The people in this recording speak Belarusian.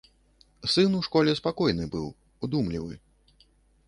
Сын у школе спакойны быў, удумлівы.